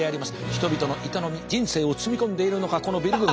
人々の営み人生を包み込んでいるのかこのビル群は。